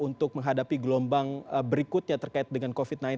untuk menghadapi gelombang berikutnya terkait dengan covid sembilan belas